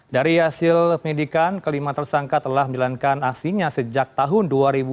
dari hasil pendidikan kelima tersangka telah menjalankan aslinya sejak tahun dua ribu dua puluh dua